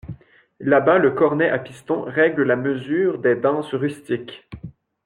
Là-bas le cornet à piston règle la mesure des danses rustiques.